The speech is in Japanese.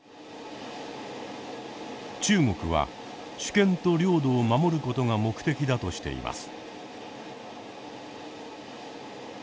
中国は主権と領土を守ることが目的だとしています。